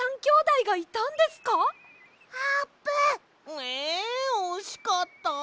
えおしかった！